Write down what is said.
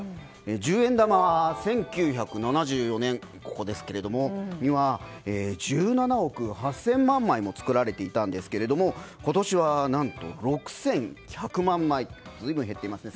十円玉は１９７４年には１７億８０００万枚も造られていたんですけれども今年は何と６１００万枚と随分減っていますね。